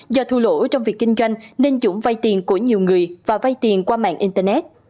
do thu lỗ trong việc kinh doanh nên dũng vay tiền của nhiều người và vay tiền qua mạng internet